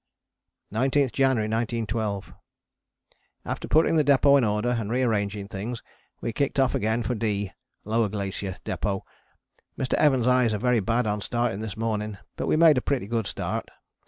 19th January 1912. After putting the depôt in order and re arranging things, we kicked off again for D. [Lower Glacier] Depôt. Mr. Evans' eyes were very bad on starting this morning, but we made a pretty good start.